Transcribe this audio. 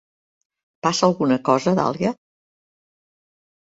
Passa alguna cosa, Dahlia?